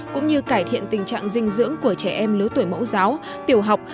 cũng như cải thiện tình trạng dinh dưỡng của trẻ em lứa tuổi mẫu giáo tiểu học